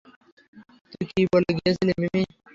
তুই কী বলে গিয়েছিলি, মিমি?